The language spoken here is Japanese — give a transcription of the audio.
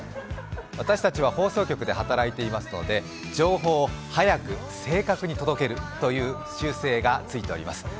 私たちは放送局で働いていますので、情報を早く正確に届けるという習性がついております。